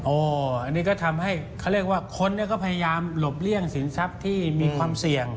อันนี้ก็ทำให้เขาเรียกว่าคนก็พยายามหลบเลี่ยงสินทรัพย์ที่มีความเสี่ยง